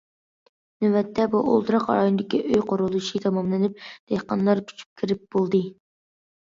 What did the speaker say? نۆۋەتتە بۇ ئولتۇراق رايونىدىكى ئۆي قۇرۇلۇشى تاماملىنىپ، دېھقانلار كۆچۈپ كىرىپ بولدى.